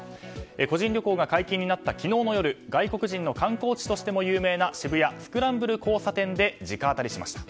個人旅行が解禁になった昨日の夜外国人の観光地としても有名な渋谷スクランブル交差点で直アタリしました。